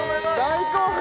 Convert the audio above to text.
大興奮